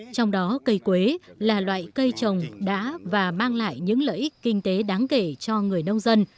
trong đó cây quế là loại cây trồng đã và mang lại những lợi ích kinh tế đáng kể cho người nông dân